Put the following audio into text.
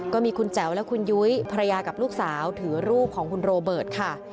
ก็มีคุณแจ๋วและคุณยุ้ยภรรยากับลูกสาวถือรูปของคุณโรเบิร์ตค่ะ